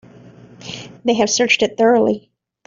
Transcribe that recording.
They have searched it thoroughly.